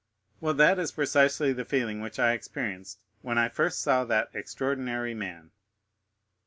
"Well, that is precisely the feeling which I experienced when I first saw that extraordinary man."